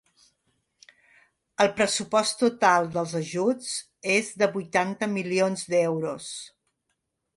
El pressupost total dels ajuts és de vuitanta milions d’euros.